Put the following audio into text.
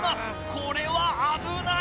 これは危ない！